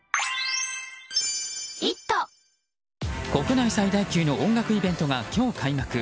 国内最大級の音楽イベントが今日開幕。